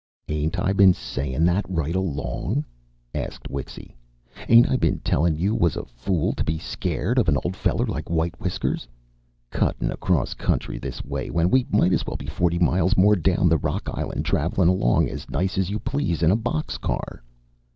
"Ain't I been sayin' that right along?" asked Wixy. "Ain't I been tellin' you you was a fool to be scared of an old feller like White Whiskers? Cuttin' across country this way when we might as well be forty miles more down the Rock Island, travelin' along as nice as you please in a box car."